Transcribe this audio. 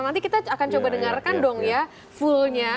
nanti kita akan coba dengarkan dong ya fullnya